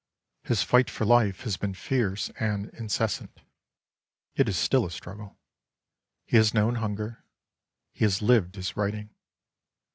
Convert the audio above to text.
His fight for life has been fierce and incessant. It is still a struggle. He has known hunger. He has lived his writing.